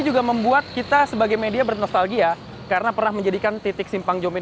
juga membuat kita sebagai media bernostalgia karena pernah menjadikan titik simpang jomin